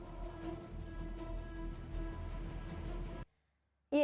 jihad yang salah kaprah